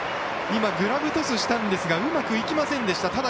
今、グラブトスしたんですがうまくいきませんでした。